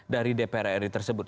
dari dpr ri tersebut